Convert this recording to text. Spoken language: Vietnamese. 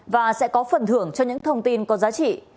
và sẽ có phần thưởng cho những thông tin có giá trị